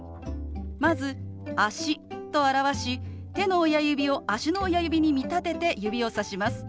まず「足」と表し手の親指を足の親指に見立てて指をさします。